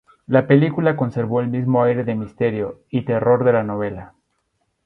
La película conservó el mismo aire de misterio y terror de la novela.